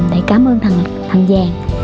để cảm ơn thần vàng